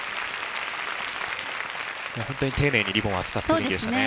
本当に丁寧にリボンを扱っている演技でしたね。